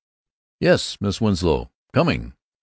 " "Yes, Miss Winslow. Coming.